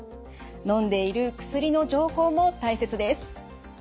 のんでいる薬の情報も大切です。